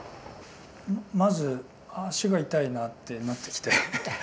まず足が痛いなってなってきて